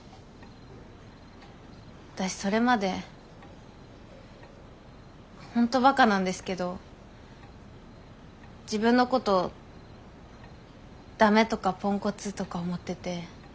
私それまで本当バカなんですけど自分のことを駄目とかポンコツとか思ってて。